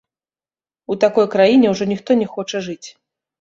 У такой краіне ўжо ніхто не хоча жыць!